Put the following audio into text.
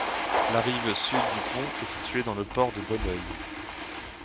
La rive sud du pont est située dans le port de Bonneuil.